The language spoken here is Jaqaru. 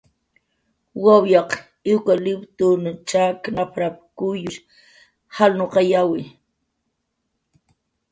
"Wawyaq iwkatliptun chak nap""rap"" kuyyush jalnuqayawi"